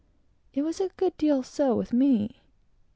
It was a good deal so with me.